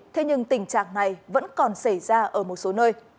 thế nhưng tình trạng này vẫn còn xảy ra ở một số nơi